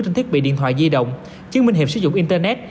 trên thiết bị điện thoại di động chứng minh hiệp sử dụng internet